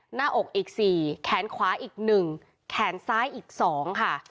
หน้าอกอีกสี่แขนขวาอีกหนึ่งแขนซ้ายอีกสองค่ะ